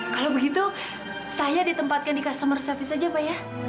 kalau begitu saya ditempatkan di customer service saja pak ya